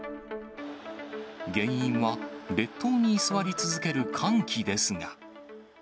原因は列島に居座り続ける寒気ですが。